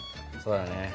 そうだね。